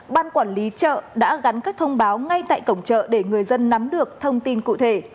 ban quản lý chợ đã gắn các thông báo ngay tại cổng chợ để người dân nắm được thông tin cụ thể